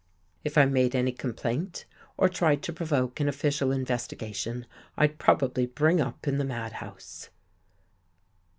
If I made any complaint, or tried to provoke an official investigation, I'd probably bring up in the mad house."